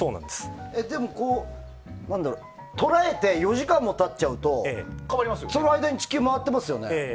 でも、捉えて４時間も経っちゃうとその間に地球回っていますよね。